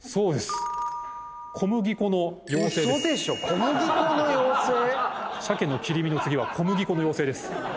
小麦粉の妖精⁉鮭の切り身の次は小麦粉の妖精です。